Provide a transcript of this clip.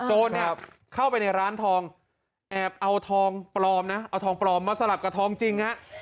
โจรเนี่ยเข้าไปในร้านทองแอบเอาทองปลอมนะเอาทองปลอมมาสลับกับทองจริงฮะ